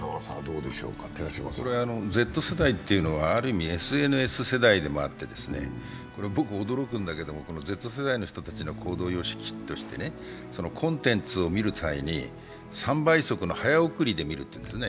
Ｚ世代というのはある意味ＳＮＳ世代でもあって驚くんだけれども、Ｚ世代の人たちの行動様式として、コンテンツを見る際に３倍速の早送りで見るというんだよね。